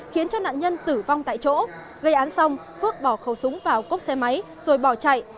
khiến cho nạn nhân tử vong tại chỗ gây án xong phước bỏ khẩu súng vào cốp xe máy rồi bỏ chạy